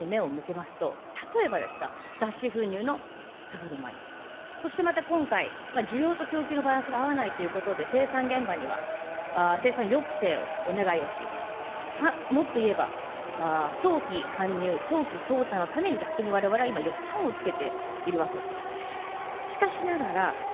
ただ一方、国内に目を向けますと、例えばですが、脱脂粉乳の高止まり、そしてまた今回、需要と供給のバランスが合わないということで生産現場には生産抑制をお願いをし、もっと言えば早期かんにゅう、早期とう汰のために逆にわれわれは予算をつけているわけです。